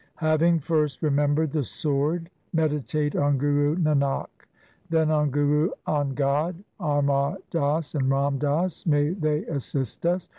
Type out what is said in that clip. Having first remembered the Sword meditate on Guru Nanak ; Then on Guru Angad, Amar Das, and Ram Das ; may they assist us